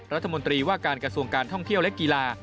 รัฐมนตรีว่าการกระทรวงการท่องเที่ยวและกีฬา